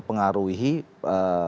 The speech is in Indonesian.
yang kedua adalah